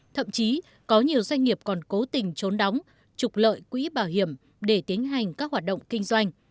thậm chí có nhiều doanh nghiệp còn cố tình trốn đóng trục lợi quỹ bảo hiểm để tiến hành các hoạt động kinh doanh